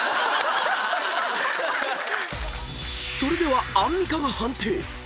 ［それではアンミカが判定］